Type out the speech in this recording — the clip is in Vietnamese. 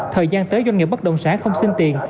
thời gian tới doanh nghiệp bất động sản không xin tiền